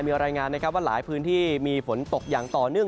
มีรายงานนะครับว่าหลายพื้นที่มีฝนตกอย่างต่อเนื่อง